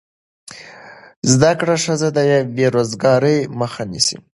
زده کړه ښځه د بېروزګارۍ مخه نیسي.